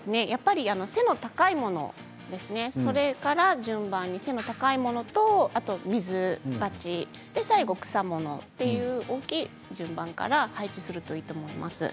背の高いもの、それから順番に背の高いものと水鉢、最後、草のものという大きい順番から配置するといいと思います。